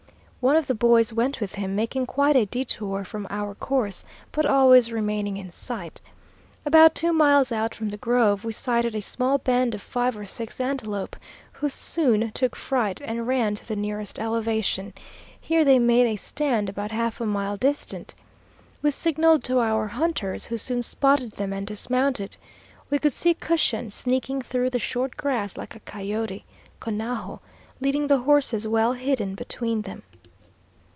One of the boys went with him, making quite a detour from our course, but always remaining in sight. About two miles out from the grove, we sighted a small band of five or six antelope, who soon took fright and ran to the nearest elevation. Here they made a stand about half a mile distant. We signaled to our hunters, who soon spotted them and dismounted. We could see Cushion sneaking through the short grass like a coyote, "Conajo" leading the horses, well hidden between them.